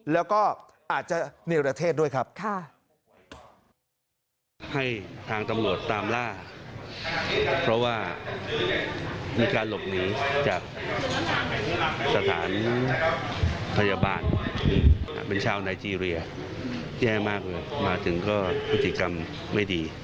แล้วก็อาจจะเนรเทศด้วยครับ